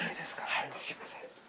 はいすいません。